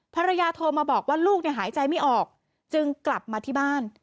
ภรรยาโทรมาบอกว่าลูกหายใจไม่ออกจึงกลับมาที่บ้าน